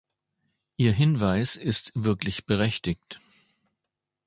Ihr Hinweis ist wirklich berechtigt.